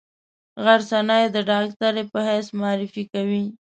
غرڅنۍ د ډاکټرې په حیث معرفي کوي.